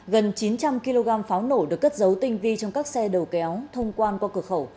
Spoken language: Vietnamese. gần chín trăm linh kg pháo nổ được cất dấu tinh vi trong các xe đầu kéo thông quan qua cửa khẩu